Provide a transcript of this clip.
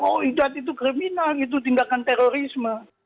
oh idad itu kriminal itu tindakan terorisme